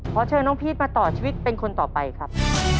ขอเชิญน้องพีชมาต่อชีวิตเป็นคนต่อไปครับ